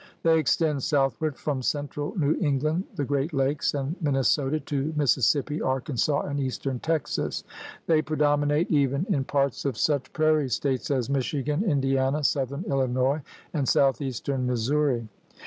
They extend southward from central New England, the Great Lakes, and Minnesota, to Mississippi, Arkansas, and eastern Texas. They predominate even in parts of such prairie States as Michigan, Indiana, southern Illinois, and southeastern Mis souri.